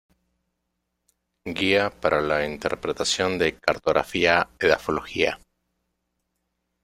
Guía para la Interpretación de Cartografía Edafología.